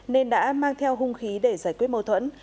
nên đã mang theo hung khí để giải quyết mâu thuẫn